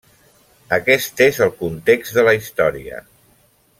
Aquest és el context de la història.